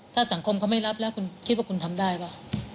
ถ้าสังคมเขาไม่รับแล้วคุณคิดว่าคุณทำได้ป่ะ